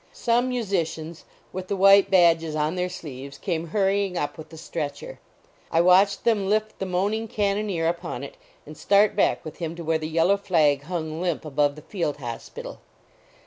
Some musicians, with the white badges on their sleeves, came hurrying up with the stretcher. I watched them lift the moaning cannoneer upon it and start back with him to where the yellow flag hung limp above the field hospital.